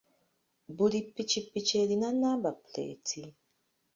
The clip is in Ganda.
Buli ppikipiki erina namba puleeti.